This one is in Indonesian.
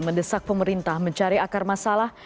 mendesak pemerintah mencari akar masalah